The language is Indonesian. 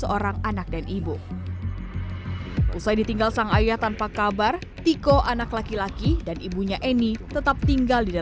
orang tua soalnya peninggalan